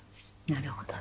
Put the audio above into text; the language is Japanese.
なるほどね。